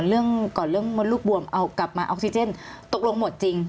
เรื่องก่อนเรื่องมดลูกบวมเอากลับมาออกซิเจนตกลงหมดจริง